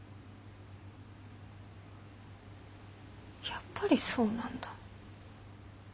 やっぱりそうなんだ。